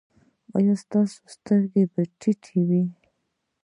ایا ستاسو سترګې به ټیټې وي؟